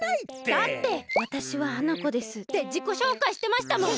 だって「わたしは花子です」ってじこしょうかいしてましたもん。